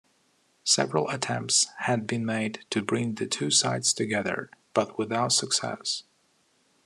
Several attempts had been made to bring the two sides together, but without success.